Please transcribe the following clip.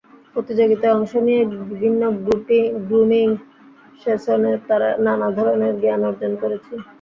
প্রতিযোগিতায় অংশ নিয়ে বিভিন্ন গ্রুমিং সেশনে নানা ধরনের জ্ঞান অর্জন করেছি।